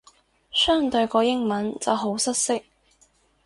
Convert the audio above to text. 相對個英文就好失色